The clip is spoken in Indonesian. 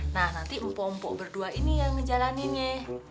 nah nanti mpo mpok berdua ini yang ngejalaninnya